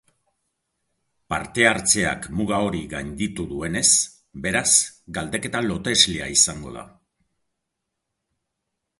Parte-hartzeak muga hori gainditu duenez, beraz, galdeketa loteslea izango da.